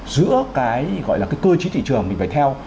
giữa cái gọi là cơ chí thị trường mình phải theo